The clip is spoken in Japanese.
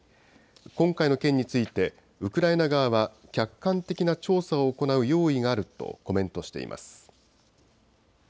今回の件について、ウクライナ側は客観的な調査を行う用意があるとコメントしています。